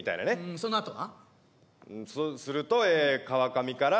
そのあとは？